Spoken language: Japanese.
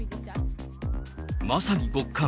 まさに極寒。